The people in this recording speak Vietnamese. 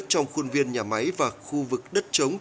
trong khuôn viên nhà máy và khu vực đất chống